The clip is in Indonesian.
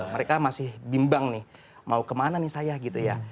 mereka masih bimbang nih mau kemana nih saya gitu ya